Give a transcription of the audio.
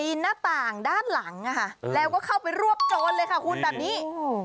ปีนหน้าต่างด้านหลังแล้วก็เข้าไปรวบโจรเลยค่ะคุณตัดนี้